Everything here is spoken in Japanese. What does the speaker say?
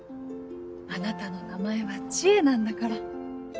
あなたの名前は「知恵」なんだから。